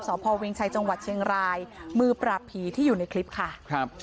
สพเวียงชัยจังหวัดเชียงรายมือปราบผีที่อยู่ในคลิปค่ะครับ